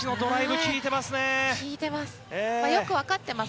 効いてます。